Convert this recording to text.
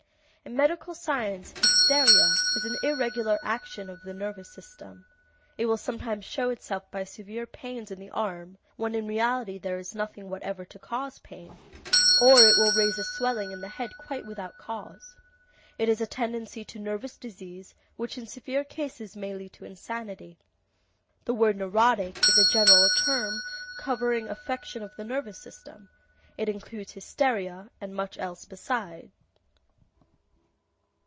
In medical science "hysteria" is an irregular action of the nervous system. It will sometimes show itself by severe pains in the arm, when in reality there is nothing whatever to cause pain; or it will raise a swelling on the head quite without cause. It is a tendency to nervous disease which in severe cases may lead to insanity. The word neurotic is a general term covering affection of the nervous system. It includes hysteria and much else beside.